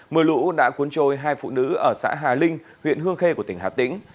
mưa lũ đã cuốn trôi hai phụ nữ ở xã hà linh huyện hương khê của tỉnh hà tĩnh